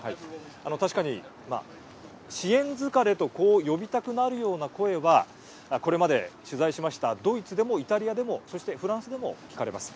あの確かに、まあ支援疲れとこう呼びたくなるような声はこれまで取材しましたドイツでもイタリアでもそしてフランスでも聞かれます。